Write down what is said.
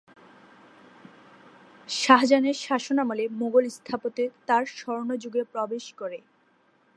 শাহজাহানের শাসনামলে মুঘল স্থাপত্য তার স্বর্ণযুগে প্রবেশ করে।